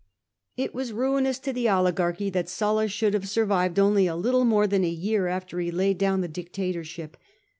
It was ruinous to the oligarchy that Sulla should have survived only a little more than a year after he laid down the dictatorship.